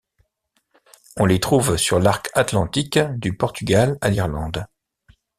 On les trouve sur l'arc atlantique, du Portugal à l'Irlande.